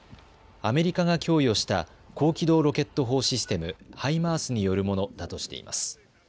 アメリカが供与した高機動ロケット砲システムハイマースによるものだとしています。